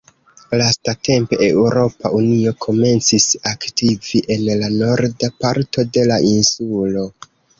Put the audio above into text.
Lastatempe Eŭropa Unio komencis aktivi en la norda parto de la insulo.